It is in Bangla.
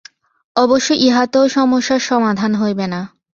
অবশ্য ইহাতেও সমস্যার সমাধান হইবে না।